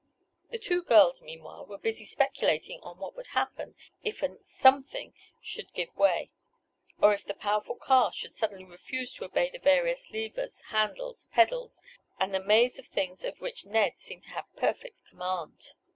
The two girls, meanwhile, were busy speculating on what would happen if an "something" should give way, or if the powerful car should suddenly refuse to obey the various levers, handles, pedals and the maze of things of which Ned seemed to have perfect command.